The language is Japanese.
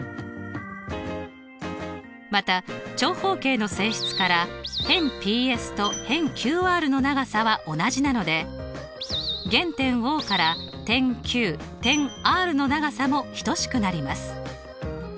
また長方形の性質から辺ＰＳと辺ＱＲの長さは同じなので原点Ｏから点Ｑ点Ｒの長さも等しくなります。